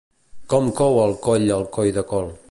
Com cou al coll el coi de col